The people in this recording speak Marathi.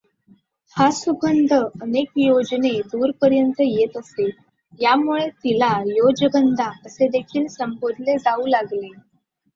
हा सुगंध अनेक योजने दूरपर्यंत येत असे, यामुळे तिला योजगंधा असेदेखील संबोधले जाऊ लागते.